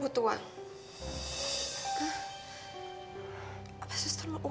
hatimu pernah mau pake parkir